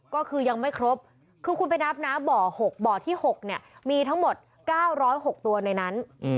ก็คือยังไม่ครบคือคุณไปนับนะบ่อ๖บ่อที่๖มีทั้งหมด๙๐๖ตัวในนั้น